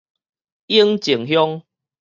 永靖鄉